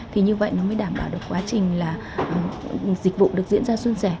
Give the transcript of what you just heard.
thì như vậy nó mới đảm bảo được quá trình là dịch vụ được diễn ra xuân rẻ